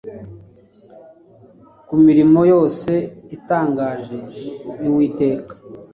ku mirimo yose itangaje y’Uwiteka.